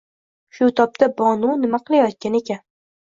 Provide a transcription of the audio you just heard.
Shu tobda Bonu nima qilayotgan ekan